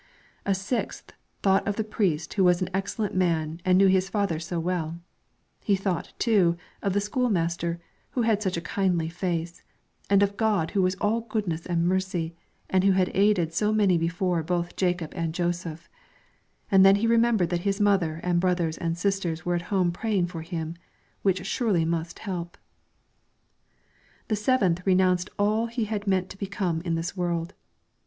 A sixth thought of the priest who was an excellent man and knew his father so well; he thought, too, of the school master, who had such a kindly face, and of God who was all goodness and mercy, and who had aided so many before both Jacob and Joseph; and then he remembered that his mother and brothers and sisters were at home praying for him, which surely must help. The seventh renounced all he had meant to become in this world.